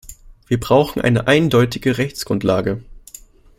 Wir brauchen eine eindeutige Rechtsgrundlage.